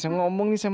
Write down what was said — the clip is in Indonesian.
saya mau minum